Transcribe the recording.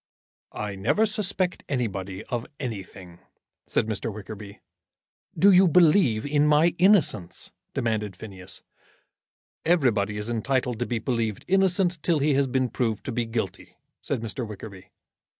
"I never suspect anybody of anything," said Mr. Wickerby. "Do you believe in my innocence?" demanded Phineas. "Everybody is entitled to be believed innocent till he has been proved to be guilty," said Mr. Wickerby.